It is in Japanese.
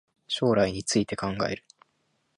将来について考える